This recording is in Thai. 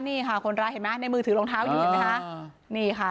นี่ค่ะคนร้ายเห็นไหมในมือถือรองเท้าอยู่เห็นไหมคะนี่ค่ะ